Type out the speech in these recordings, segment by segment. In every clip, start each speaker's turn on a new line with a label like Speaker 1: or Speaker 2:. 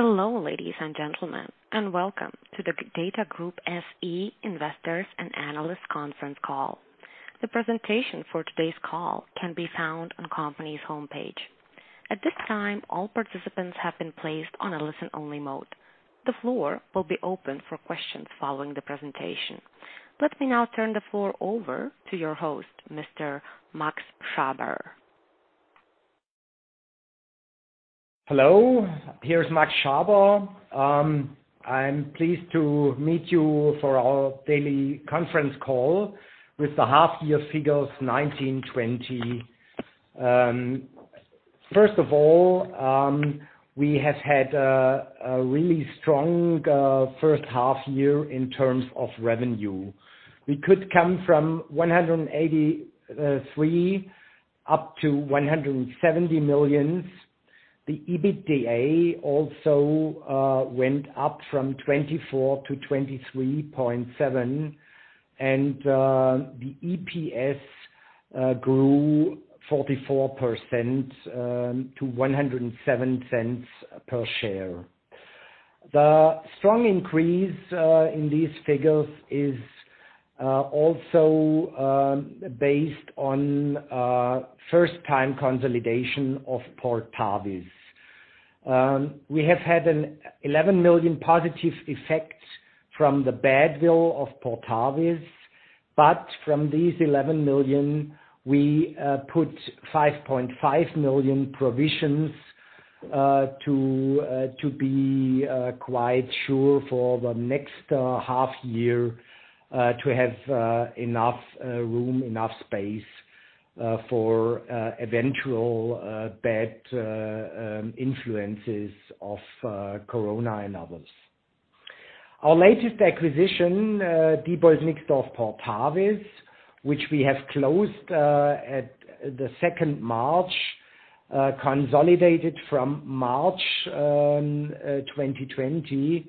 Speaker 1: Hello, ladies and gentlemen, and welcome to the DATAGROUP SE Investors and Analyst Conference Call. The presentation for today's call can be found on the company's homepage. At this time, all participants have been placed on a listen-only mode. The floor will be open for questions following the presentation. Let me now turn the floor over to your host, Mr. Max Schaber.
Speaker 2: Hello, here's Max Schaber. I'm pleased to meet you for our daily conference call with the half year figures 2019/20. First of all, we have had a really strong first half year in terms of revenue. We could come from 183 million up to 170 million. The EBITDA also went up from 24 to 23.7, and the EPS grew 44% to 1.07 per share. The strong increase in these figures is also based on first time consolidation of Portavis. We have had an 11 million positive effect from the badwill of Portavis, but from these 11 million, we put 5.5 million provisions to be quite sure for the next half year to have enough room, enough space for eventual bad influences of Corona and others. Our latest acquisition, Diebold Nixdorf Portavis, which we have closed at the second March, consolidated from March 2020.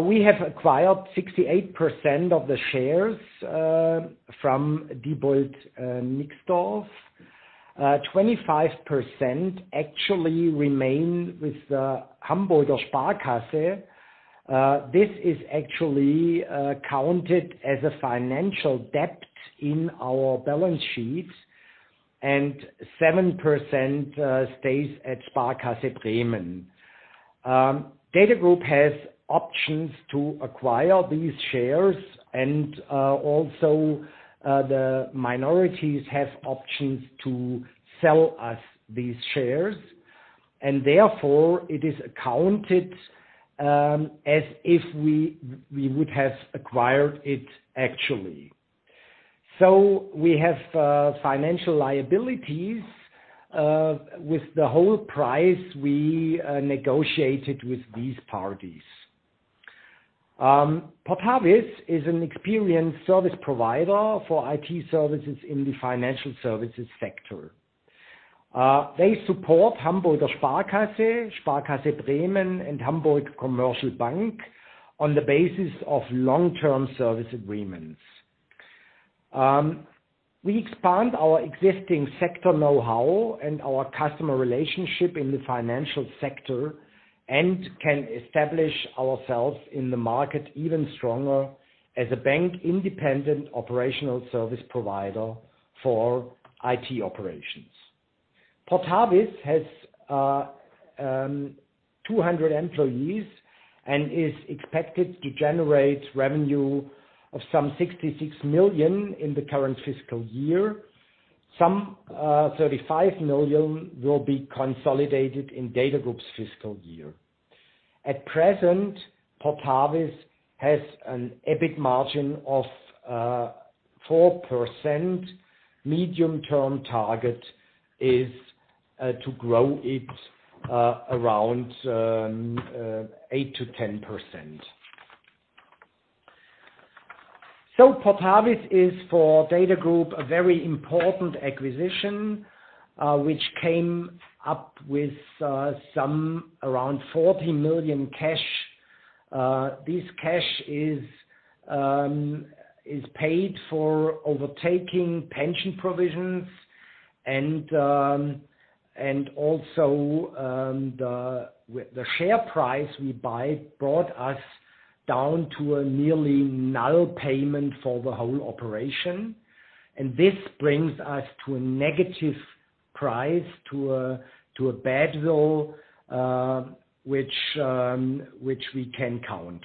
Speaker 2: We have acquired 68% of the shares from Diebold Nixdorf. 25% percent actually remain with the Hamburger Sparkasse. This is actually counted as a financial debt in our balance sheets, and 7% stays at Sparkasse Bremen. DATAGROUP has options to acquire these shares, and also, the minorities have options to sell us these shares, and therefore it is accounted as if we would have acquired it actually. So we have financial liabilities with the whole price we negotiated with these parties. Portavis is an experienced service provider for IT services in the financial services sector. They support Hamburger Sparkasse, Sparkasse Bremen, and Hamburg Commercial Bank on the basis of long-term service agreements. We expand our existing sector know-how and our customer relationship in the financial sector, and can establish ourselves in the market even stronger as a bank-independent operational service provider for IT operations. Portavis has two hundred employees and is expected to generate revenue of some 66 million in the current fiscal year. Some 35 million EUR will be consolidated in DATAGROUP's fiscal year. At present, Portavis has an EBIT margin of 4%. Medium-term target is to grow it around 8%-10%. So Portavis is, for DATAGROUP, a very important acquisition, which came up with some around 14 million EUR cash. This cash is paid for taking over pension provisions and also the share price we buy brought us down to a nearly null payment for the whole operation, and this brings us to a negative price, to a Badwill, which we can count.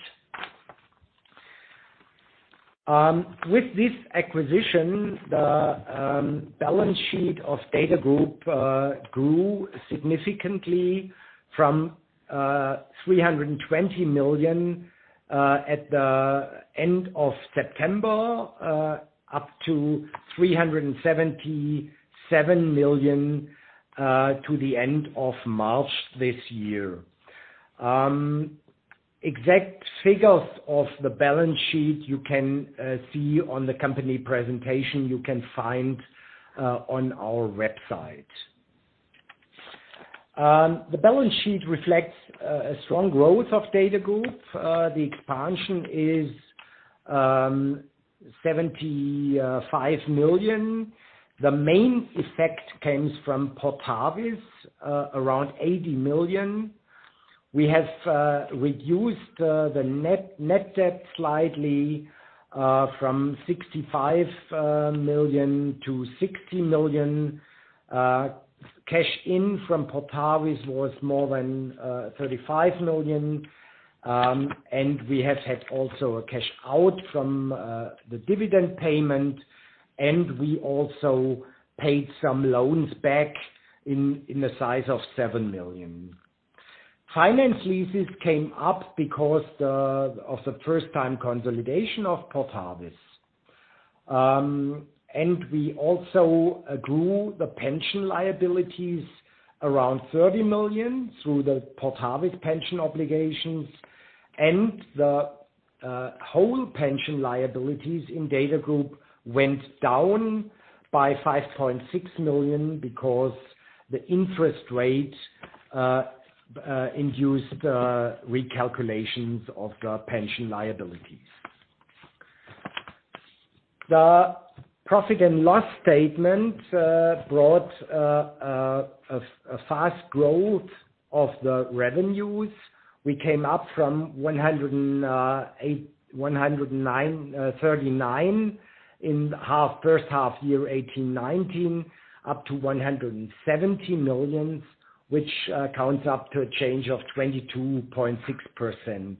Speaker 2: With this acquisition, the balance sheet of DATAGROUP grew significantly from 320 million at the end of September up to 377 million to the end of March this year. Exact figures of the balance sheet you can see on the company presentation you can find on our website. The balance sheet reflects a strong growth of DATAGROUP. The expansion is 75 million. The main effect comes from Portavis around 80 million. We have reduced the net debt slightly from 65 million to 60 million. Cash in from Portavis was more than 35 million, and we have had also a cash out from the dividend payment, and we also paid some loans back in the size of 7 million. Finance leases came up because of the first time consolidation of Portavis. And we also grew the pension liabilities around 30 million through the Portavis pension obligations, and the whole pension liabilities in DATAGROUP went down by 5.6 million because the interest rates induced recalculations of the pension liabilities. The profit and loss statement brought a fast growth of the revenues. We came up from 108, 109, 139 in the first half year 18/19 up to 170 million, which counts up to a change of 22.6%.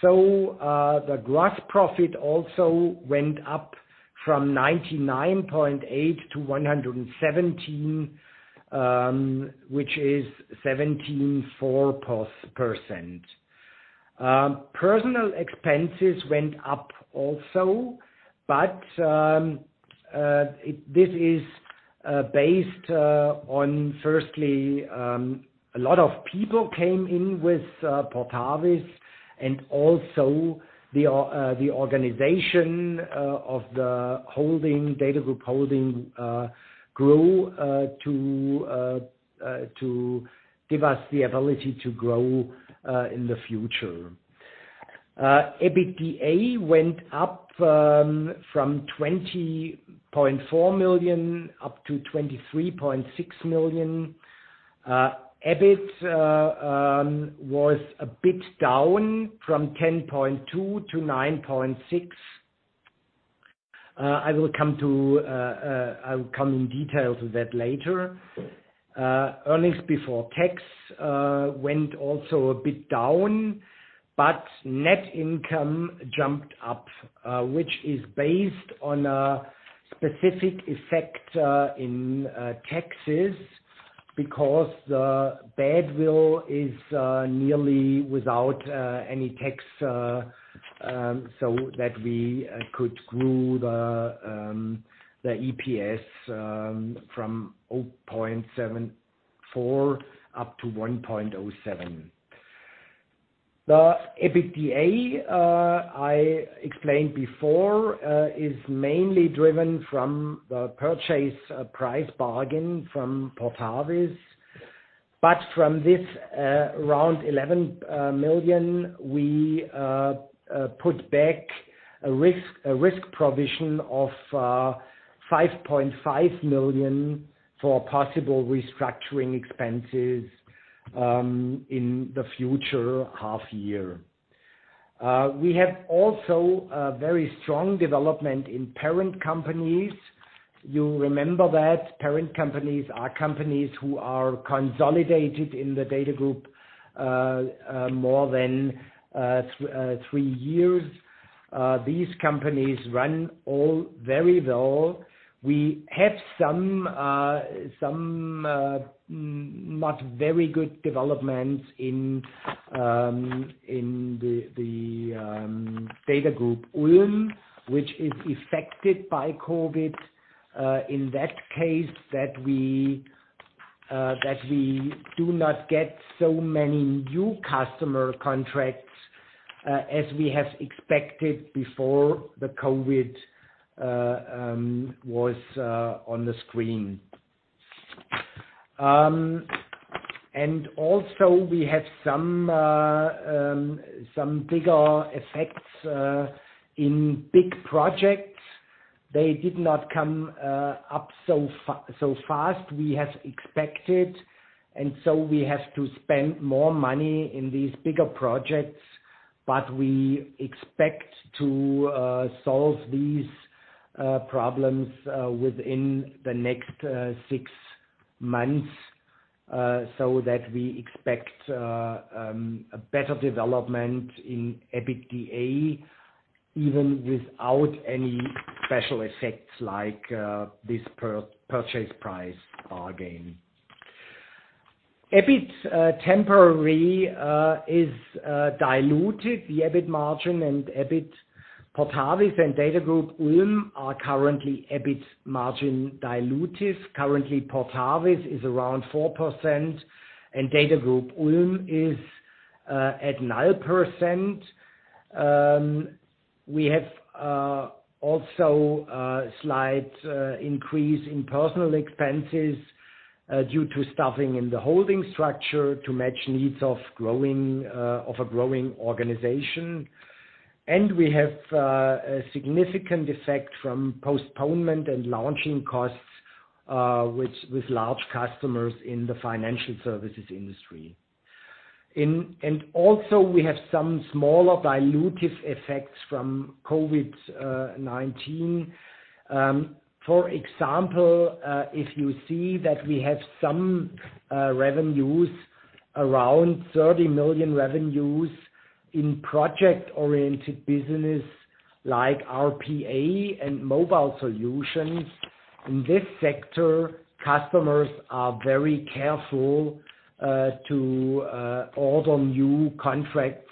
Speaker 2: So, the gross profit also went up from 99.8 to 117, which is 17.4%. Personnel expenses went up also, but this is based on firstly, a lot of people came in with Portavis, and also the organization of the holding, DATAGROUP holding, grew to give us the ability to grow in the future. EBITDA went up from 20.4 million up to 23.6 million. EBIT was a bit down from 10.2 to 9.6. I will come to, I will come in detail to that later. Earnings before tax went also a bit down, but net income jumped up, which is based on a specific effect in taxes, because the goodwill is nearly without any tax, so that we could grow the the EPS from 0.74 up to 1.07. The EBITDA I explained before is mainly driven from the purchase price bargain from Portavis. But from this, around 11 million, we put back a risk, a risk provision of 5.5 million for possible restructuring expenses in the future half year. We have also a very strong development in parent companies. You remember that parent companies are companies who are consolidated in the DATAGROUP, more than three years. These companies run all very well. We have some not very good developments in the DATAGROUP Ulm, which is affected by COVID. In that case, we do not get so many new customer contracts as we have expected before the COVID was on the screen, and also we have some bigger effects in big projects. They did not come up so fast we have expected, and so we have to spend more money in these bigger projects, but we expect to solve these problems within the next six months, so that we expect a better development in EBITDA, even without any special effects like this purchase price bargain. EBIT temporary is diluted. The EBIT margin and EBIT Portavis and DATAGROUP Ulm are currently EBIT margin dilutive. Currently, Portavis is around 4%, and DATAGROUP Ulm is at 9%. We have also slight increase in personnel expenses due to staffing in the holding structure to match needs of a growing organization. And we have a significant effect from postponement and launching costs, which with large customers in the financial services industry. And also we have some smaller dilutive effects from COVID-19. For example, if you see that we have some revenues around 30 million revenues in project-oriented business like RPA and mobile solutions. In this sector, customers are very careful to order new contracts,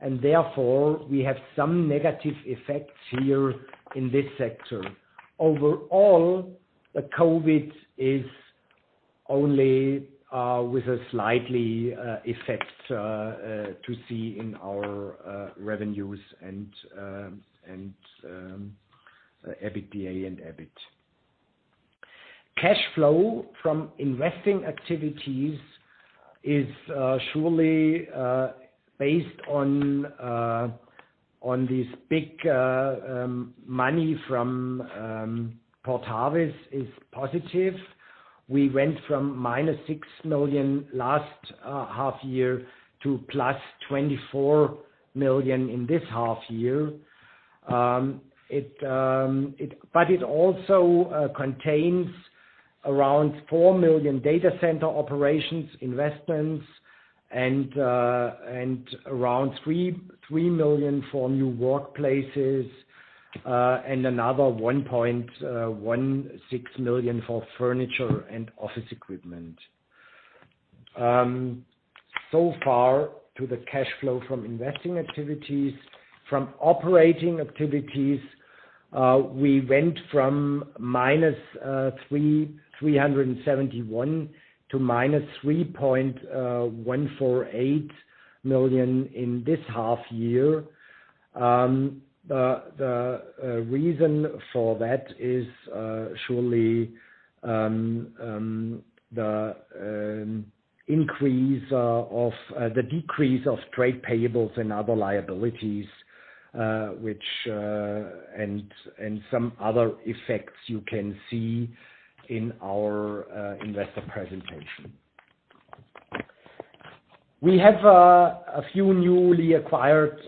Speaker 2: and therefore we have some negative effects here in this sector. Overall, the COVID is only with a slightly effect to see in our revenues and EBITDA and EBIT. Cash flow from investing activities is surely based on this big money from Portavis is positive. We went from minus 6 million last half year to plus 24 million in this half year. It but it also contains around 4 million data center operations, investments, and around three million for new workplaces, and another one point one six million for furniture and office equipment. So, for the cash flow from investing activities, from operating activities, we went from minus three hundred and seventy-one to minus three point one four eight million in this half year. The reason for that is surely the increase of the decrease of trade payables and other liabilities, which and some other effects you can see in our investor presentation. We have a few newly acquired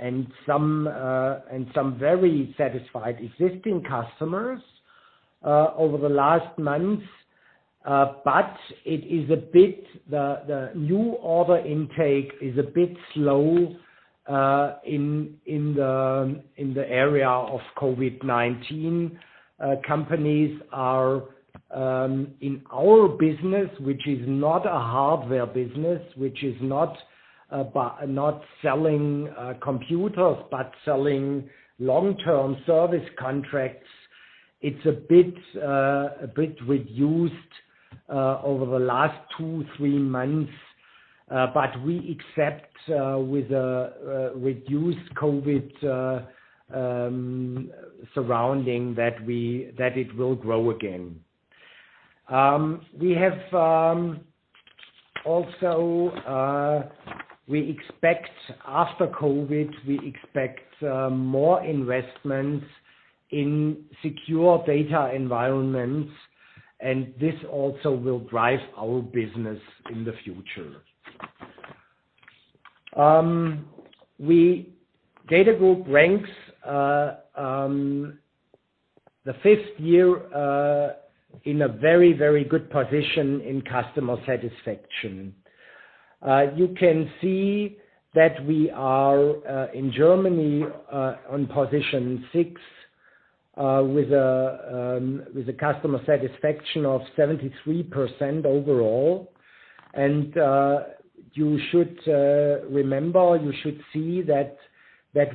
Speaker 2: and some very satisfied existing customers over the last months, but it is a bit. The new order intake is a bit slow in the area of COVID-19. Companies are in our business, which is not a hardware business, which is not selling computers, but selling long-term service contracts. It's a bit reduced over the last two, three months, but we expect with a reduced COVID surrounding that it will grow again. We also expect after COVID more investments in secure data environments, and this also will drive our business in the future. DATAGROUP ranks the fifth year in a very, very good position in customer satisfaction. You can see that we are in Germany on position six with a customer satisfaction of 73% overall, and you should remember, you should see that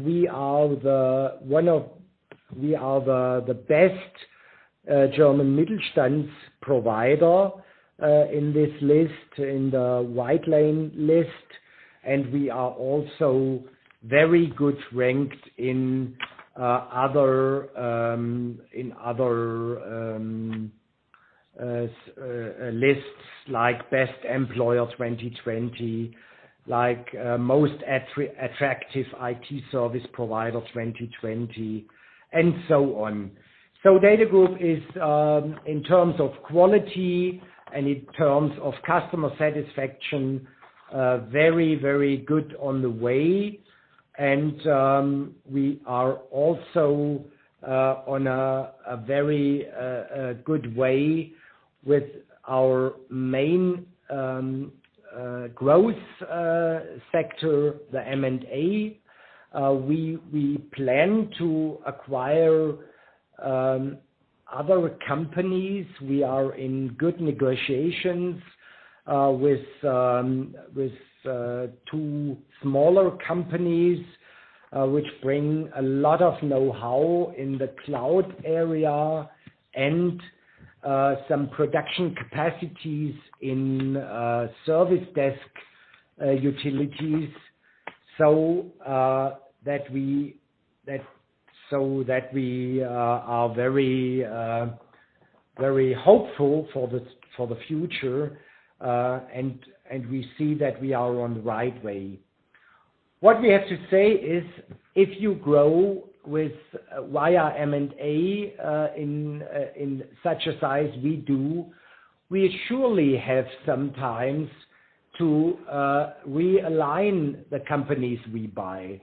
Speaker 2: we are the best German Mittelstand provider in this list, in the Whitelane list, and we are also very good ranked in other lists, like Best Employer 2020, like Most Attractive IT Service Provider 2020, and so on. DATAGROUP is in terms of quality and in terms of customer satisfaction very, very good on the way. We are also on a very good way with our main growth sector, the M&A. We plan to acquire other companies. We are in good negotiations with two smaller companies which bring a lot of know-how in the cloud area and some production capacities in service desk utilities. So that we are very hopeful for the future and we see that we are on the right way. What we have to say is, if you grow via M&A in such a size we do, we surely have some times to realign the companies we buy.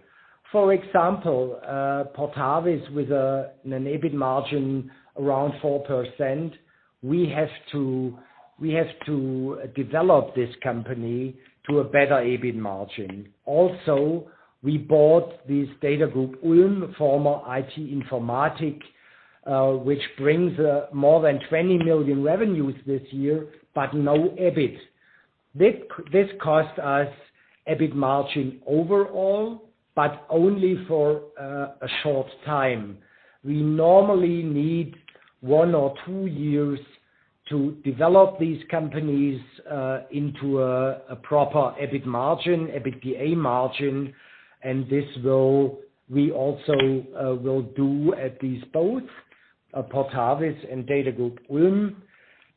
Speaker 2: For example, Portavis, with an EBIT margin around 4%, we have to develop this company to a better EBIT margin. Also, we bought this DATAGROUP Ulm, former IT-Informatik, which brings more than 20 million revenues this year, but no EBIT. This cost us EBIT margin overall, but only for a short time. We normally need one or two years to develop these companies into a proper EBIT margin, EBITDA margin, and this we also will do at these both Portavis and DATAGROUP Ulm.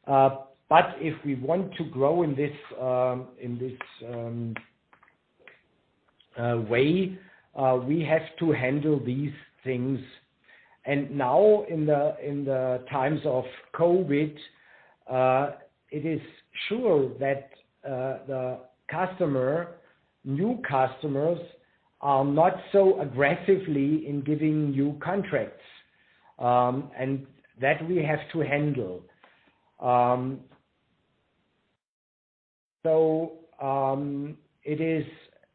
Speaker 2: But if we want to grow in this way, we have to handle these things. And now, in the times of COVID-19, it is sure that the customer, new customers, are not so aggressively in giving new contracts, and that we have to handle. So, it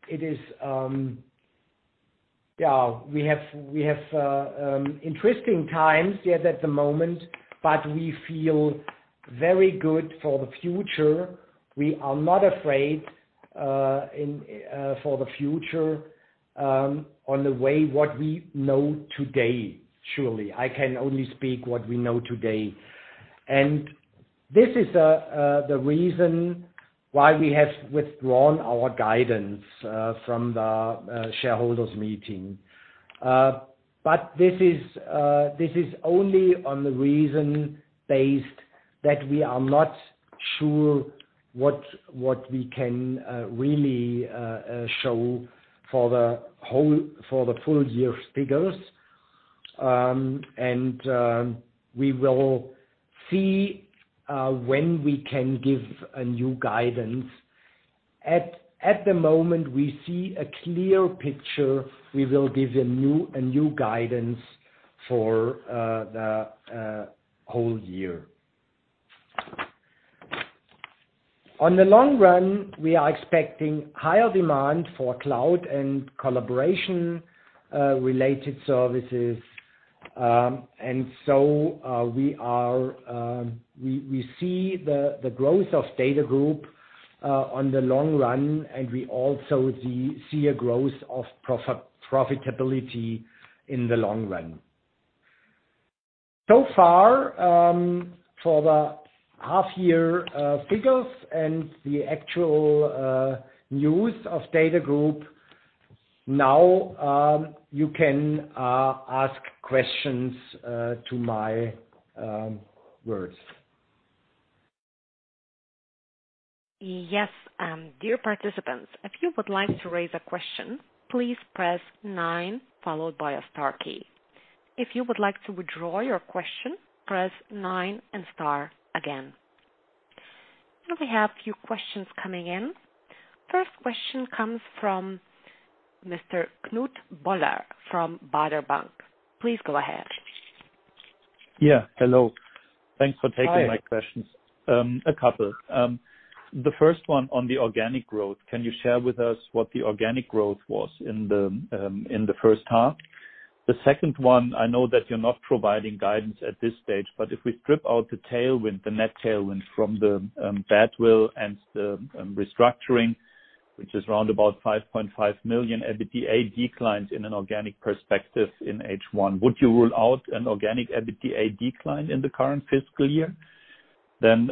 Speaker 2: is, yeah, we have interesting times, yes, at the moment, but we feel very good for the future. We are not afraid, in, for the future, on the way what we know today, surely. I can only speak what we know today. And this is the reason why we have withdrawn our guidance, from the shareholders meeting. But this is only on the reason based that we are not sure what we can really show for the full year figures. We will see when we can give a new guidance. At the moment, we see a clear picture. We will give a new guidance for the whole year. On the long run, we are expecting higher demand for cloud and collaboration related services, and so we see the growth of DATAGROUP on the long run, and we also see a growth of profitability in the long run. So far, for the half year figures and the actual news of DATAGROUP, now you can ask questions to my words.
Speaker 1: Yes, dear participants, if you would like to raise a question, please press nine followed by a star key. If you would like to withdraw your question, press nine and star again. And we have a few questions coming in. First question comes from Mr. Knut Woller from Baader Bank. Please go ahead.
Speaker 3: Yeah, hello. Thanks for taking-
Speaker 2: Hi.
Speaker 3: My questions. A couple. The first one on the organic growth: Can you share with us what the organic growth was in the first half? The second one, I know that you're not providing guidance at this stage, but if we strip out the tailwind, the net tailwind from the badwill and the restructuring, which is round about 5.5 million EBITDA declines in an organic perspective in H1, would you rule out an organic EBITDA decline in the current fiscal year? Then,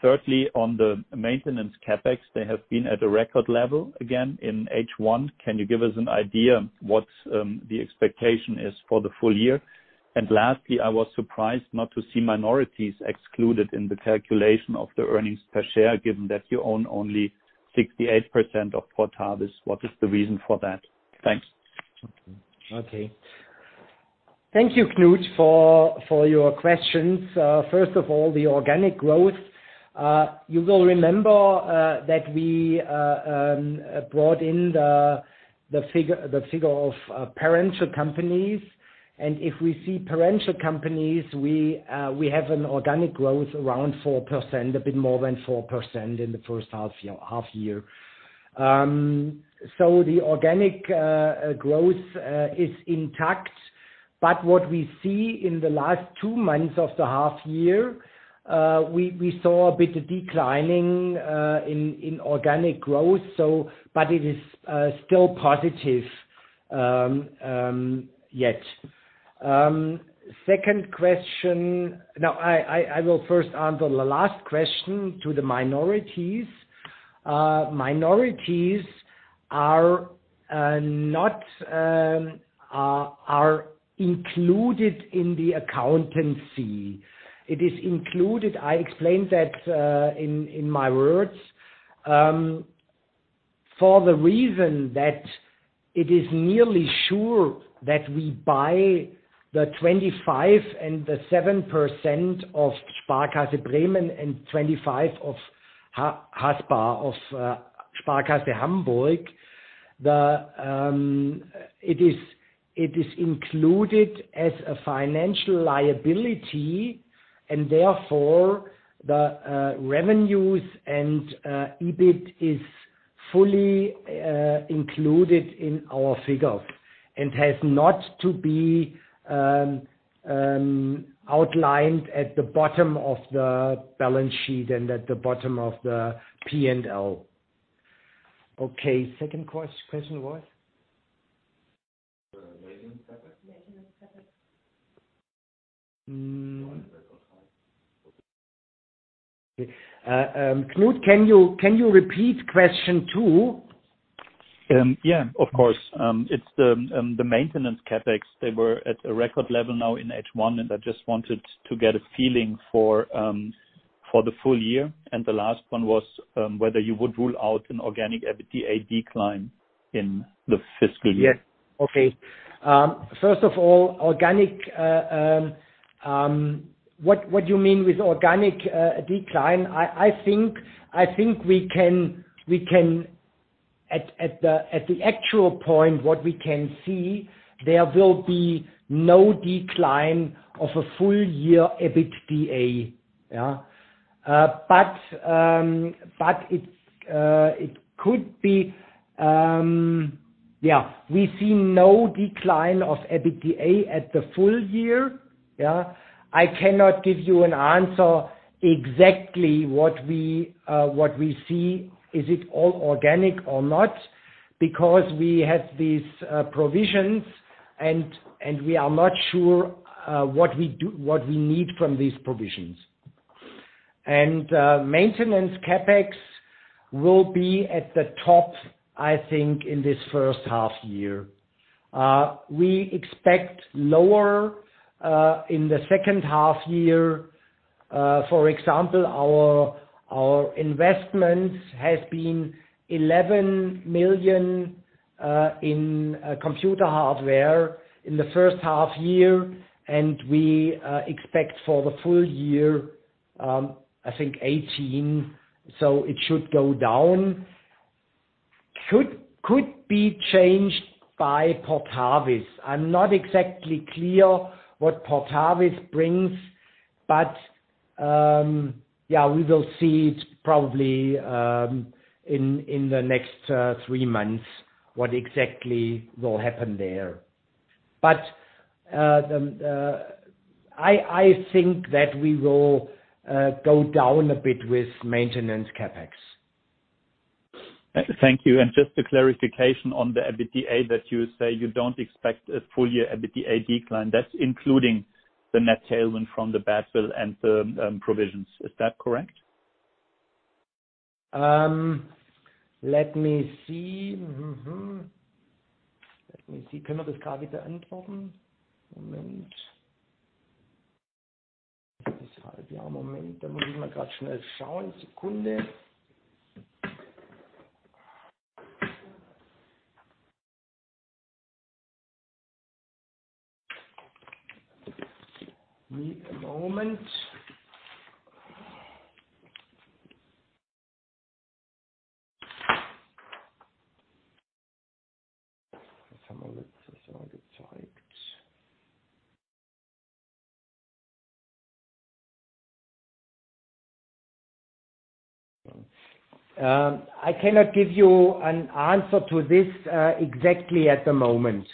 Speaker 3: thirdly, on the maintenance CapEx, they have been at a record level, again, in H1. Can you give us an idea what the expectation is for the full year? And lastly, I was surprised not to see minorities excluded in the calculation of the earnings per share, given that you own only 68% of Portavis. What is the reason for that? Thanks.
Speaker 2: Okay. Thank you, Knut, for your questions. First of all, the organic growth. You will remember that we brought in the figure of parent companies. And if we see parent companies, we have an organic growth around 4%, a bit more than 4% in the first half year. So the organic growth is intact, but what we see in the last two months of the half year, we saw a bit of declining in organic growth, so but it is still positive yet. Second question. No, I will first answer the last question to the minorities. Minorities are included in the accountancy. It is included. I explained that in my words for the reason that it is nearly sure that we buy the 25% and the 7% of Sparkasse Bremen and 25% of Haspa, of Sparkasse Hamburg. It is included as a financial liability, and therefore the revenues and EBIT is fully included in our figures, and has not to be outlined at the bottom of the balance sheet and at the bottom of the P&L. Okay, second question was?
Speaker 3: The maintenance CapEx.
Speaker 1: Maintenance CapEx.
Speaker 2: Knut, can you repeat question two?
Speaker 3: Yeah, of course. It's the maintenance CapEx. They were at a record level now in H1, and I just wanted to get a feeling for the full year. And the last one was whether you would rule out an organic EBITDA decline in the fiscal year?
Speaker 2: Yes. Okay. First of all, organic, what do you mean with organic decline? I think we can at the actual point, what we can see, there will be no decline of a full year EBITDA, yeah. But it's, it could be... Yeah, we see no decline of EBITDA at the full year, yeah? I cannot give you an answer exactly what we see, is it all organic or not, because we have these provisions, and we are not sure what we need from these provisions. Maintenance CapEx will be at the top, I think, in this first half year. We expect lower in the second half year. For example, our investment has been 11 million in computer hardware in the first half year, and we expect for the full year, I think 18, so it should go down. It could be changed by Portavis. I'm not exactly clear what Portavis brings, but yeah, we will see it probably in the next three months what exactly will happen there. I think that we will go down a bit with maintenance CapEx.
Speaker 3: Thank you, and just a clarification on the EBITDA, that you say you don't expect a full year EBITDA decline. That's including the net tailwind from the badwill and the provisions. Is that correct?
Speaker 2: Let me see. Mm-hmm. Let me see. ... Need a moment. I cannot give you an answer to this exactly at the moment,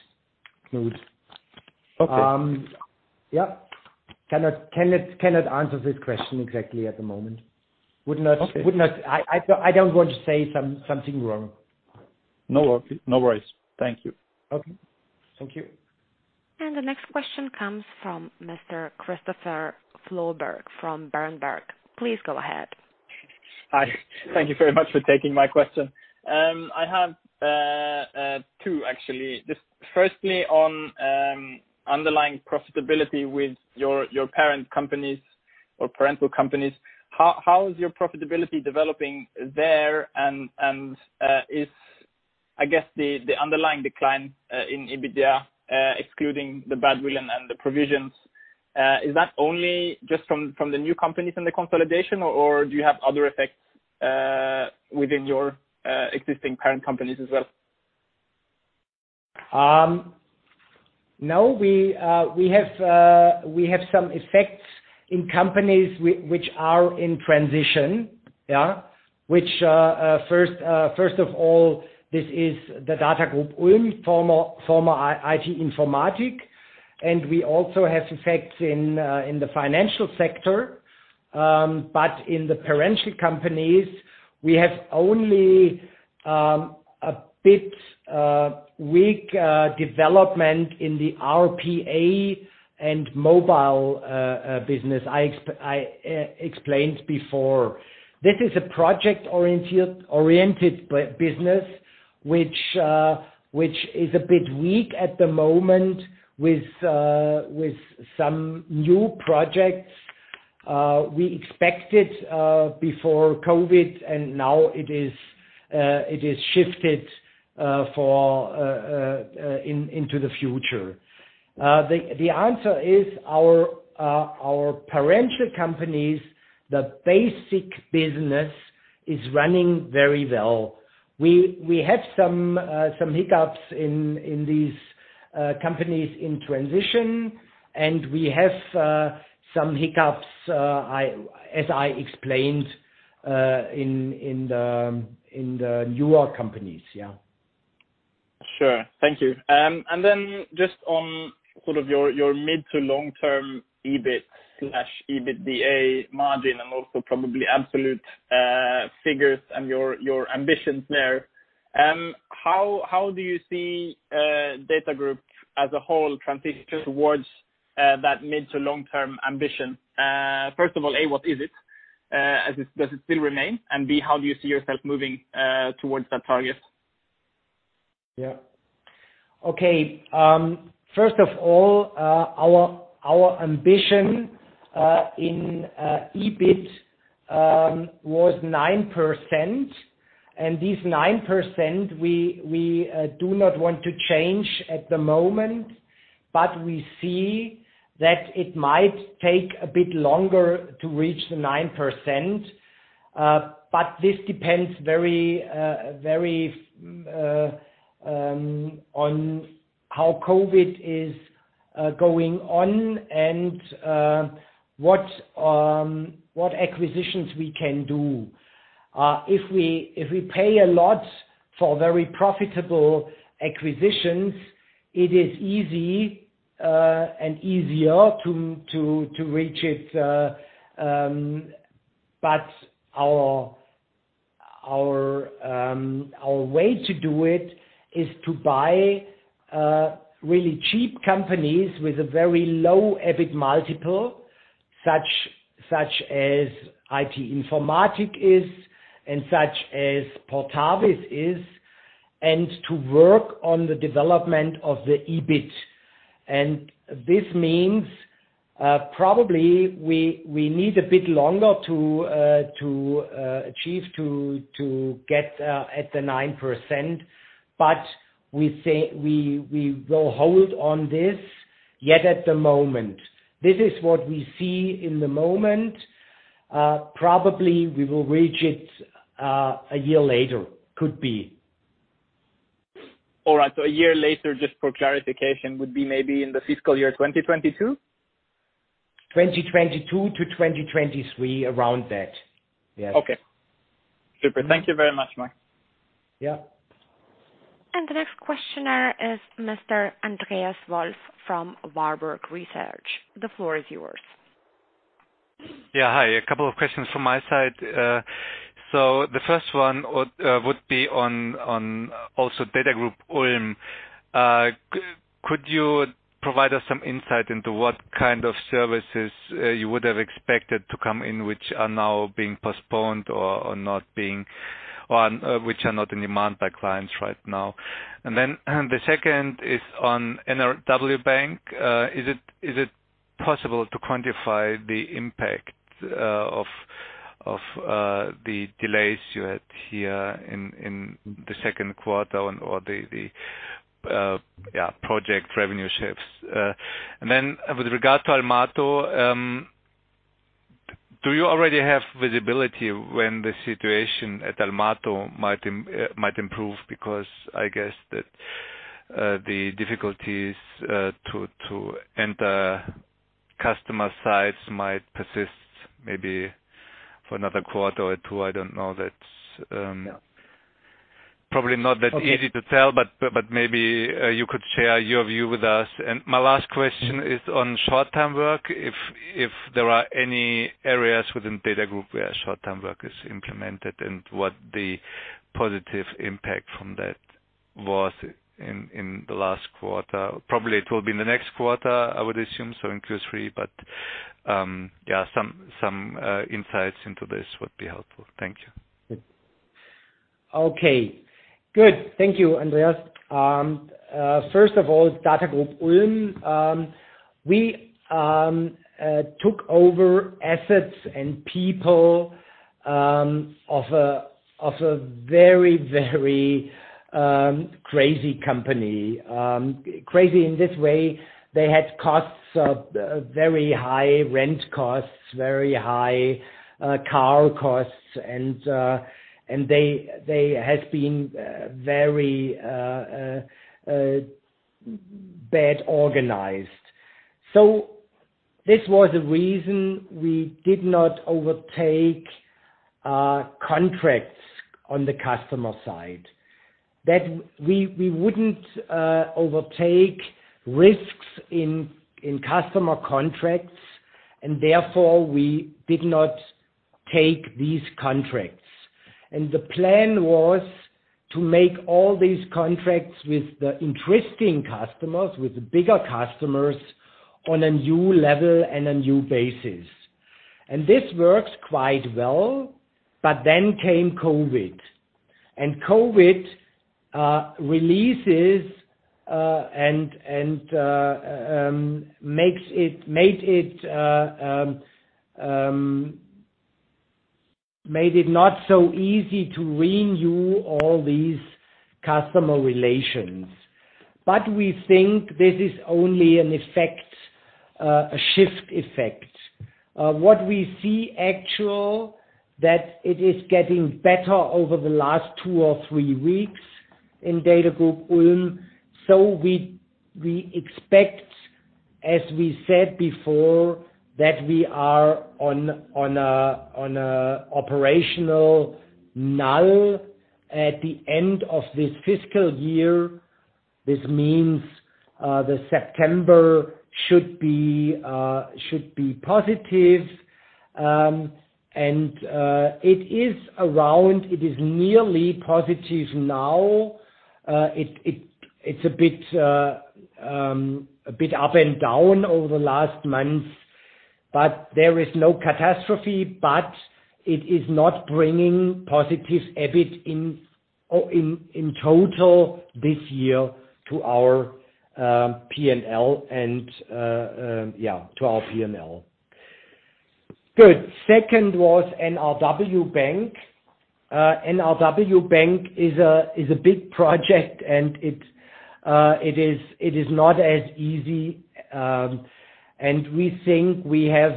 Speaker 2: Knut.
Speaker 3: Okay.
Speaker 2: Yeah, cannot answer this question exactly at the moment.
Speaker 3: Okay.
Speaker 2: I don't want to say something wrong.
Speaker 3: No worries. Thank you.
Speaker 2: Okay. Thank you.
Speaker 1: The next question comes from Mr. Kristoffer Froberg from Berenberg. Please go ahead.
Speaker 4: Hi. Thank you very much for taking my question. I have two, actually. Just firstly on underlying profitability with your parent companies or parental companies. How is your profitability developing there, and is, I guess, the underlying decline in EBITDA excluding the badwill and the provisions is that only just from the new companies in the consolidation, or do you have other effects within your existing parent companies as well?
Speaker 2: No, we have some effects in companies which are in transition, yeah? Which, first of all, this is the DATAGROUP Ulm, former IT-Informatik, and we also have effects in the financial sector. But in the parent companies, we have only a bit weak development in the RPA and mobile business. I explained before. This is a project-oriented business, which is a bit weak at the moment with some new projects we expected before COVID, and now it is shifted into the future. The answer is our parent companies, the basic business is running very well. We had some hiccups in these companies in transition, and we have some hiccups, as I explained, in the newer companies. Yeah.
Speaker 4: Sure. Thank you, and then just on sort of your mid to long term EBIT/EBITDA margin, and also probably absolute figures and your ambitions there. How do you see DATAGROUP as a whole transition towards that mid to long term ambition? First of all, A, what is it? Does it still remain? And B, how do you see yourself moving towards that target?
Speaker 2: Yeah. Okay, first of all, our ambition in EBIT was 9%, and this 9%, we do not want to change at the moment, but we see that it might take a bit longer to reach the 9%. But this depends very, very on how COVID is going on, and what acquisitions we can do. If we pay a lot for very profitable acquisitions, it is easy and easier to reach it, but our way to do it is to buy really cheap companies with a very low EBIT multiple, such as IT-Informatik is, and such as Portavis is, and to work on the development of the EBIT. And this means probably we need a bit longer to achieve to get at the 9%, but we say we will hold on this yet at the moment. This is what we see at the moment. Probably we will reach it a year later, could be.
Speaker 4: All right, so a year later, just for clarification, would be maybe in the fiscal year 2022?
Speaker 2: 2022 to 2023, around that. Yes.
Speaker 4: Okay. Super. Thank you very much, Mike.
Speaker 2: Yeah.
Speaker 1: The next questioner is Mr. Andreas Wolf from Warburg Research. The floor is yours.
Speaker 5: Yeah, hi. A couple of questions from my side. So the first one would be on also DATAGROUP Ulm. Could you provide us some insight into what kind of services you would have expected to come in, which are now being postponed or not being, which are not in demand by clients right now? And then, the second is on NRW.BANK. Is it possible to quantify the impact of the delays you had here in the second quarter or the project revenue shifts? And then with regard to Almato, do you already have visibility when the situation at Almato might improve? Because I guess that the difficulties to enter customer sites might persist maybe for another quarter or two, I don't know. That's
Speaker 2: Yeah.
Speaker 5: Probably not that easy to tell, but maybe you could share your view with us. My last question is on short-time work, if there are any areas within DATAGROUP where short-time work is implemented, and what the positive impact from that was in the last quarter. Probably it will be in the next quarter, I would assume, so in Q3. But yeah, some insights into this would be helpful. Thank you.
Speaker 2: Okay. Good. Thank you, Andreas. First of all, DATAGROUP Ulm. We took over assets and people of a very, very crazy company. Crazy in this way: they had costs of very high rent costs, very high car costs, and they had been very bad organized. This was the reason we did not overtake contracts on the customer side. That we wouldn't overtake risks in customer contracts, and therefore, we did not take these contracts. The plan was to make all these contracts with the interesting customers, with the bigger customers, on a new level and a new basis. This works quite well, but then came COVID. And COVID releases and made it not so easy to renew all these customer relations. But we think this is only an effect, a shift effect. What we see actually, that it is getting better over the last two or three weeks in DATAGROUP Ulm. So we expect, as we said before, that we are on a operational null at the end of this fiscal year. This means, the September should be positive. And it is around, it is nearly positive now. It's a bit up and down over the last months, but there is no catastrophe, but it is not bringing positive EBIT in, in total this year to our P&L and, yeah, to our P&L. Good. Second was NRW Bank. NRW Bank is a big project, and it is not as easy, and we think we have.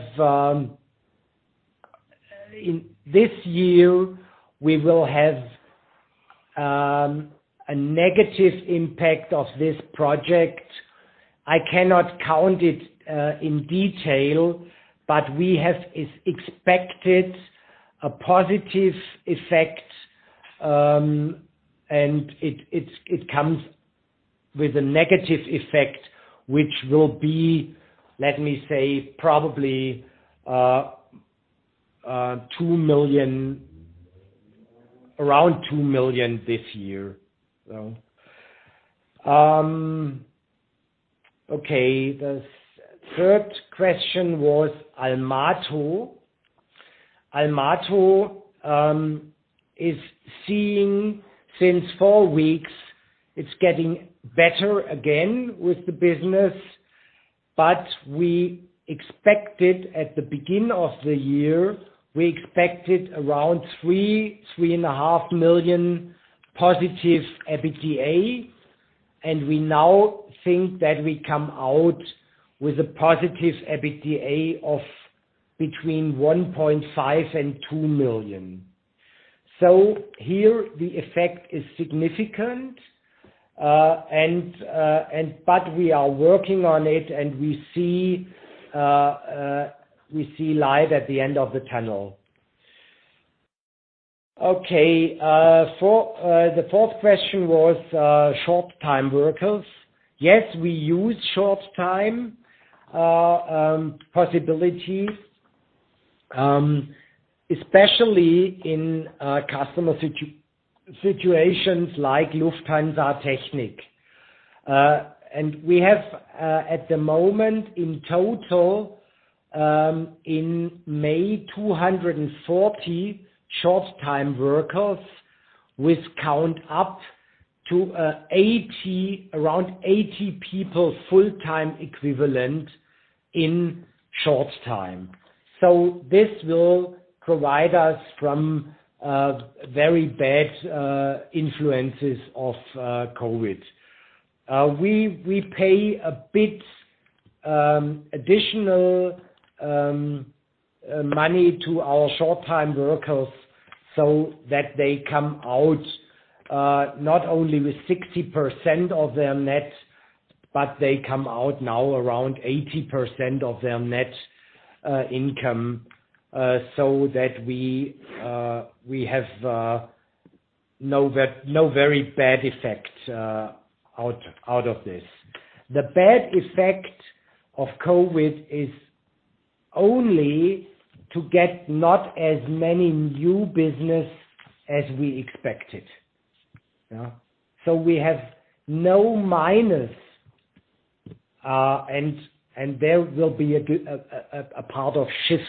Speaker 2: In this year, we will have a negative impact of this project. I cannot count it in detail, but we have expected a positive effect, and it comes with a negative effect, which will be, let me say, probably 2 million, around 2 million this year. So, okay, the third question was Almato. Almato is seeing since four weeks, it's getting better again with the business, but we expected at the beginning of the year, we expected around 3-3.5 million positive EBITDA, and we now think that we come out with a positive EBITDA of between 1.5 and 2 million. So here, the effect is significant, and but we are working on it, and we see light at the end of the tunnel. Okay, the fourth question was short-time workers. Yes, we use short-time possibilities, especially in customer situations like Lufthansa Technik. And we have at the moment, in total, in May, 240 short-time workers, which count up to around 80 people full-time equivalent in short time. This will protect us from very bad influences of COVID. We pay a bit additional money to our short-time workers so that they come out not only with 60% of their net, but they come out now around 80% of their net income, so that we have no very bad effect out of this. The bad effect of COVID is only to get not as many new business as we expected. Yeah. So we have no minus, and there will be a part of shift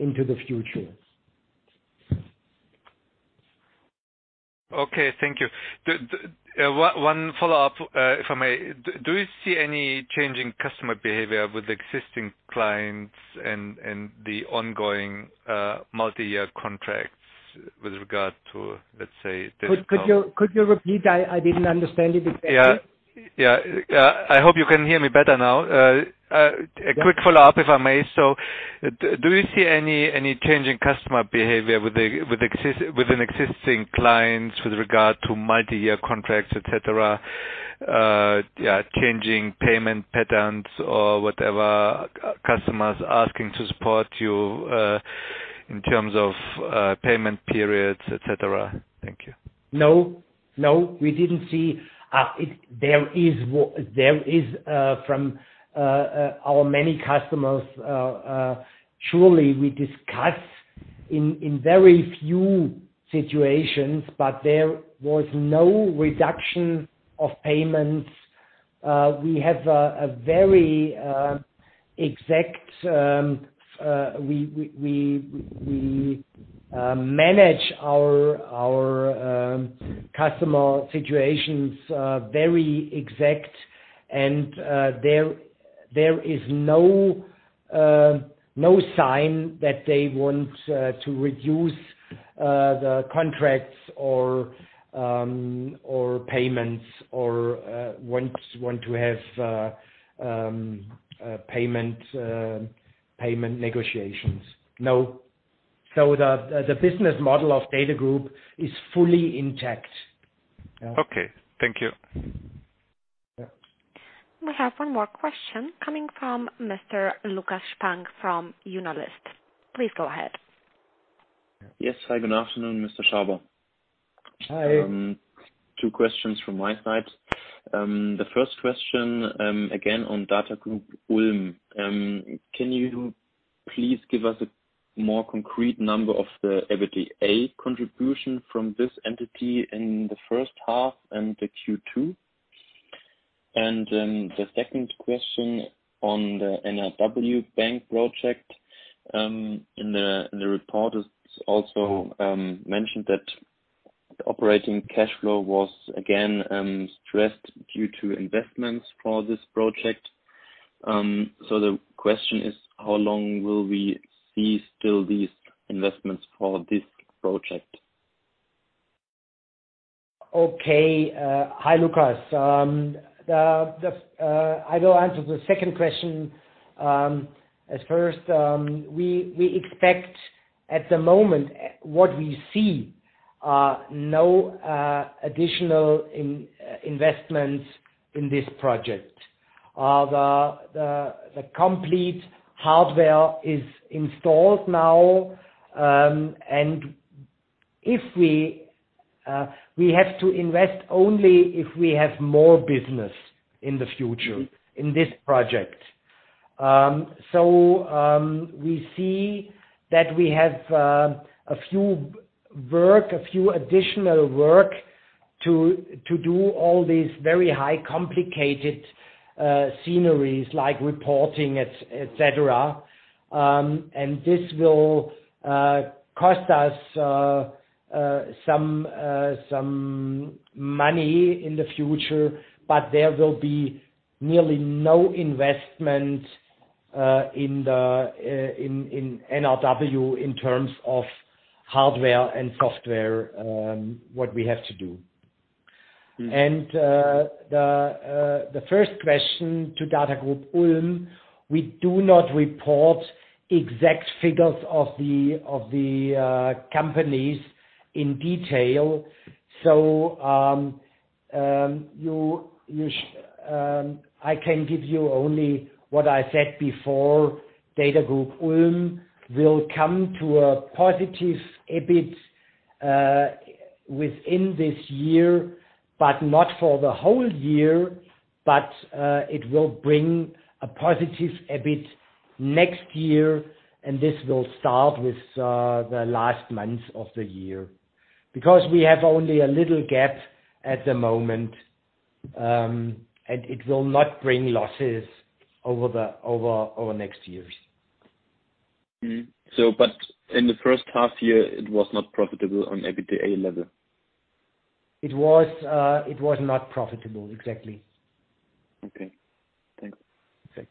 Speaker 2: into the future.
Speaker 5: Okay, thank you. One follow-up, if I may. Do you see any change in customer behavior with existing clients and the ongoing multi-year contracts with regard to, let's say, digital-
Speaker 2: Could you repeat? I didn't understand it exactly.
Speaker 5: I hope you can hear me better now.
Speaker 2: Yeah.
Speaker 5: A quick follow-up, if I may. So do you see any change in customer behavior within existing clients with regard to multi-year contracts, et cetera? Yeah, changing payment patterns or whatever, customers asking to support you in terms of payment periods, et cetera? Thank you.
Speaker 2: No, no, we didn't see. There is from our many customers surely we discuss in very few situations, but there was no reduction of payments. We have a very exact. We manage our customer situations very exact. And there is no sign that they want to reduce the contracts or payments or want to have payment negotiations. No. So the business model of DATAGROUP is fully intact. Yeah.
Speaker 5: Okay. Thank you.
Speaker 2: Yeah.
Speaker 1: We have one more question coming from Mr. Lucas Panka from DZ Bank. Please go ahead.
Speaker 6: Yes. Hi, good afternoon, Mr. Schaber.
Speaker 2: Hi.
Speaker 6: Two questions from my side. The first question, again, on DATAGROUP Ulm. Can you please give us a more concrete number of the EBITDA contribution from this entity in the first half and the Q2? And then the second question on the NRW.BANK project, in the report is also mentioned that operating cash flow was again stressed due to investments for this project. So the question is: How long will we see still these investments for this project?
Speaker 2: Okay. Hi, Lucas. I will answer the second question. At first, we expect at the moment what we see no additional investments in this project. The complete hardware is installed now, and we have to invest only if we have more business in the future, in this project. So, we see that we have a few work, a few additional work to do all these very high complicated sceneries, like reporting, et cetera. And this will cost us some money in the future, but there will be nearly no investment in NRW in terms of hardware and software what we have to do. The first question to DATAGROUP Ulm, we do not report exact figures of the companies in detail. I can give you only what I said before. DATAGROUP Ulm will come to a positive EBIT within this year, but not for the whole year, but it will bring a positive EBIT next year, and this will start with the last months of the year. Because we have only a little gap at the moment, and it will not bring losses over next years.
Speaker 6: So, but in the first half year, it was not profitable on EBITDA level?
Speaker 2: It was not profitable. Exactly.
Speaker 6: Okay. Thanks. Okay.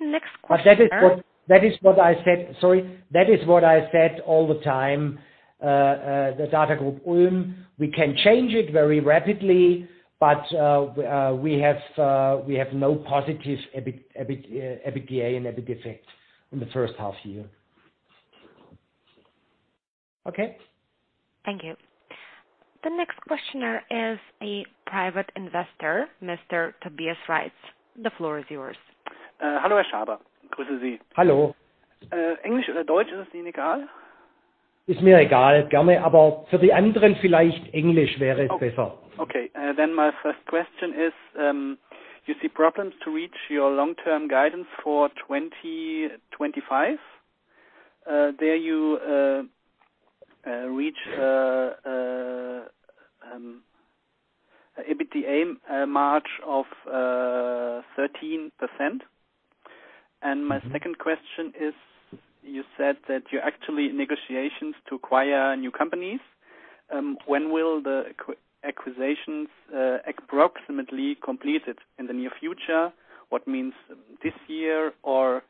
Speaker 1: Next question-
Speaker 2: But that is what I said. Sorry. That is what I said all the time. The DATAGROUP Ulm, we can change it very rapidly, but we have no positive EBIT, EBITDA and EBIT effects in the first half year. Okay?
Speaker 1: Thank you. The next questioner is a private investor, Mr. Tobias Reitz. The floor is yours.
Speaker 7: Hello, Schaber.
Speaker 2: Hello.
Speaker 7: English or German, does it matter?
Speaker 2: It doesn't matter to me, but for the others, maybe English would be better.
Speaker 7: Okay. Then my first question is, you see problems to reach your long-term guidance for twenty twenty-five? There you reach EBITDA margin of 13%.
Speaker 2: Mm-hmm. My second question is: You said that you're actually in negotiations to acquire new companies. When will the acquisitions approximately completed in the near future? What means this year, or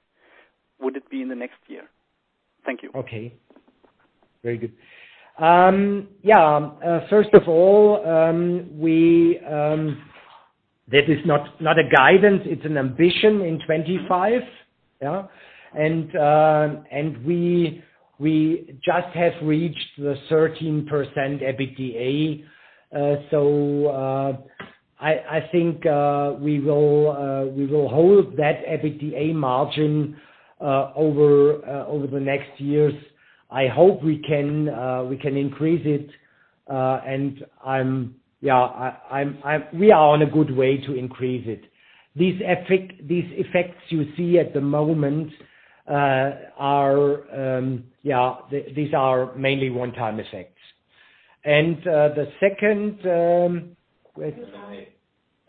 Speaker 2: would it be in the next year? Thank you. Okay. Very good. Yeah, first of all, we... That is not, not a guidance, it's an ambition in twenty-five, yeah? And, and we just have reached the 13% EBITDA, so, I think, we will hold that EBITDA margin over the next years. I hope we can increase it, and I'm, yeah, we are on a good way to increase it. These effects you see at the moment are, yeah, these are mainly one-time effects. And, the second, where-
Speaker 7: M&A.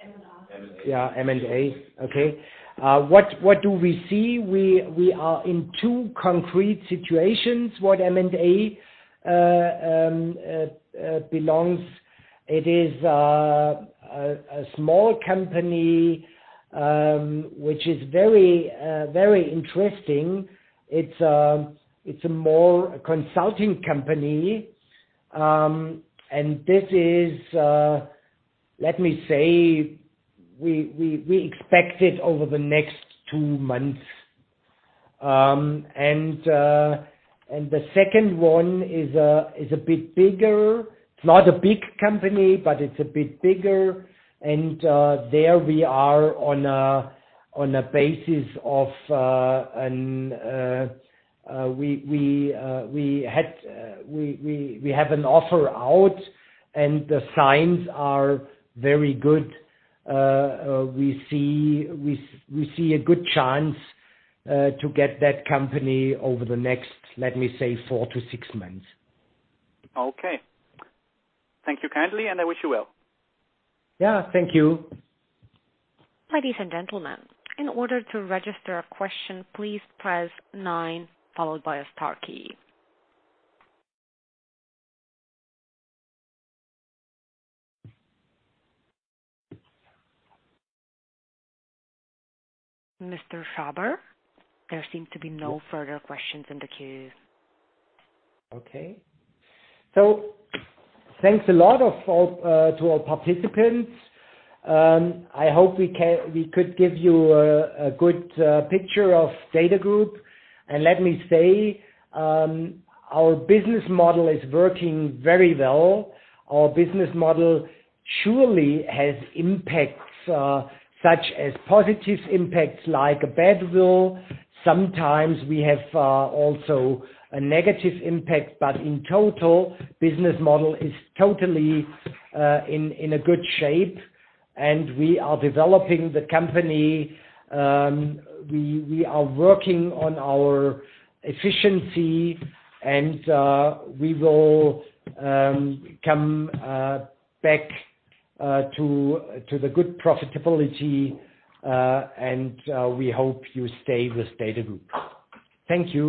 Speaker 7: M&A.
Speaker 2: Yeah, M&A. Okay. What do we see? We are in two concrete situations. It is a small company which is very, very interesting. It's a more consulting company, and this is, let me say, we expect it over the next two months and the second one is a bit bigger. It's not a big company, but it's a bit bigger, and there we are on a basis of an offer out, and the signs are very good. We see a good chance to get that company over the next, let me say, four to six months.
Speaker 7: Okay. Thank you kindly, and I wish you well.
Speaker 2: Yeah, thank you.
Speaker 1: Ladies and gentlemen, in order to register a question, please press nine followed by a star key. Mr. Schaber, there seem to be no further questions in the queue.
Speaker 2: Okay. Thanks a lot to all participants. I hope we could give you a good picture of DATAGROUP. Let me say, our business model is working very well. Our business model surely has impacts such as positive impacts, like a badwill. Sometimes we have also a negative impact, but in total, business model is totally in a good shape, and we are developing the company. We are working on our efficiency, and we will come back to the good profitability, and we hope you stay with DATAGROUP. Thank you.